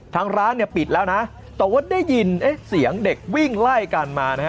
ทางร้านเนี่ยปิดแล้วนะแต่ว่าได้ยินเสียงเด็กวิ่งไล่กันมานะฮะ